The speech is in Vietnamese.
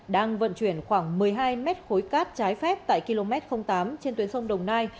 đang vận chuyển khoảng một mươi hai mét khối cát trái phép tại km tám trên tuyến sông đồng nai